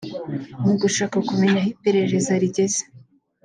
Mu gushaka kumenya aho iperereza rigeze